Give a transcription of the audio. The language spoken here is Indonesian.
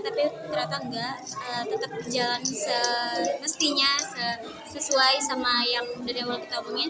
tapi ternyata enggak tetap berjalan semestinya sesuai sama yang dari awal kita hubungin